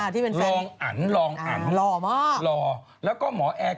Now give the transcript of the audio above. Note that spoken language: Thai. ที่เป็นแฟนไป